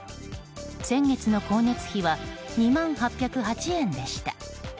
先月の光熱費は２万８０８円でした。